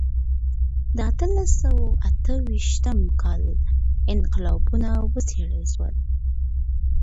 د اتلس سوه اته څلوېښتم کال انقلابونه وڅېړل سول.